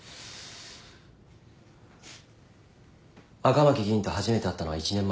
赤巻議員と初めて会ったのは１年前だ。